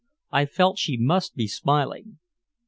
I felt she must be smiling.